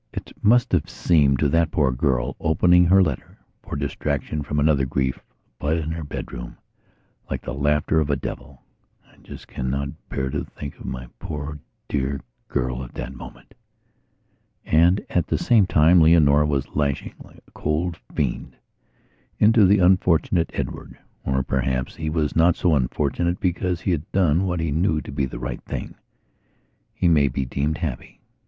It must have seemed to that poor girl, opening her letter, for distraction from another grief, up in her bedroom, like the laughter of a devil. I just cannot bear to think of my poor dear girl at that moment.... And, at the same time, Leonora was lashing, like a cold fiend, into the unfortunate Edward. Or, perhaps, he was not so unfortunate; because he had done what he knew to be the right thing, he may be deemed happy.